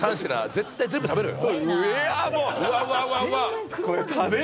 絶対全部食べろよ。